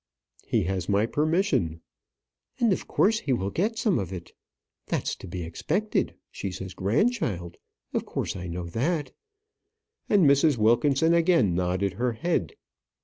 "He has my permission." "And of course he will get some of it. That's to be expected she's his grandchild of course I know that," and Mrs. Wilkinson again nodded her head.